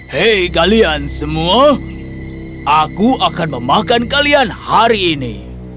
hei kalian semua aku akan memakan kalian hari ini